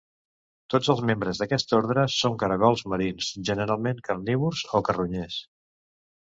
Tots els membres d'aquest ordre són caragols marins, generalment carnívors o carronyers.